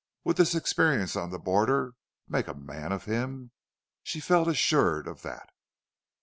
Would this experience on the border make a man of him? She felt assured of that.